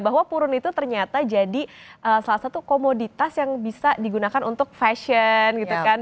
bahwa purun itu ternyata jadi salah satu komoditas yang bisa digunakan untuk fashion gitu kan